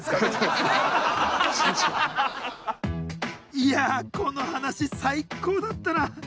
いやこの話最高だったなあ。